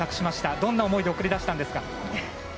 どんな思いで送り出したんですか。